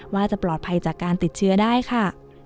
ว่าจะปลอดภัยจากการติดเชื้อได้ค่ะ